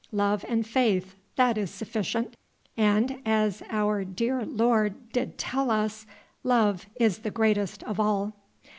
Love and faith, that is sufficient ... and, as our dear Lord did tell us, love is the greatest of all."